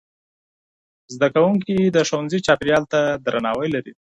زدهکوونکي د ښوونځي چاپېریال ته احترام لري.